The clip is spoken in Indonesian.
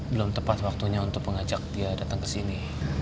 belum tepat waktunya untuk mengajak dia datang ke sini